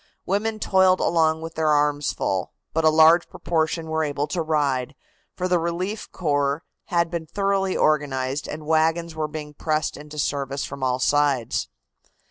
Women toiled along with their arms full, but a large proportion were able to ride, for the relief corps had been thoroughly organized and wagons were being pressed into service from all sides.